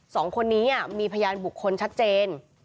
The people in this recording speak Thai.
สองคนนี้มีพยานบุคคลชัดเจน